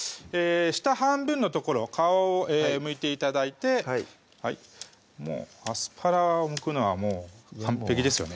下半分の所皮をむいて頂いてアスパラをむくのはもう完璧ですよね